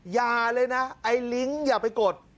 อย่าเลยนะไอ้ลิงก์อย่าไปกด